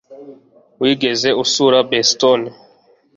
wigeze usura boston